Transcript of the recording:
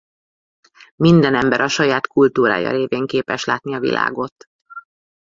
Minden ember a saját kultúrája révén képes látni a világot.